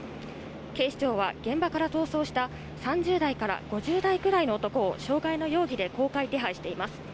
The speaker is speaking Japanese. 警視庁は、現場から逃走した、３０代から５０代くらいの男を傷害の容疑で公開手配しています。